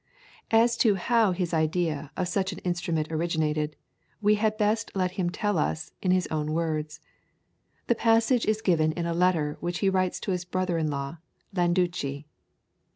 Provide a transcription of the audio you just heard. As to how his idea of such an instrument originated, we had best let him tell us in his own words. The passage is given in a letter which he writes to his brother in law, Landucci.